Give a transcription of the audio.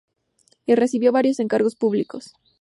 Y recibió varios encargos públicos.